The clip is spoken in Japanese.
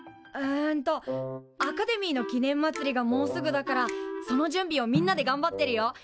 うんとアカデミーの記念まつりがもうすぐだからその準備をみんなでがんばってるよ。